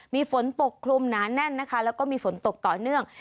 มีฝนปกคลุมหนาแน่นนะคะแล้วก็มีฝนตกต่อเนื่อง